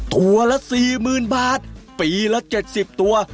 ตัวละ๔๐๐๐บาทปีละ๗๐ตัว